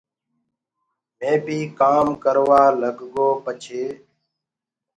مي بيٚ ڪآم ڪروآ لگ گو پڇي